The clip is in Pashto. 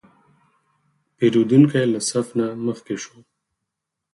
پیرودونکی له صف نه مخکې شو.